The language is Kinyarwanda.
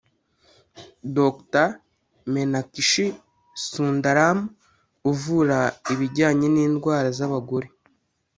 Dr Meenakshi Sundaram uvura ibijyanye n’indwara z’abagore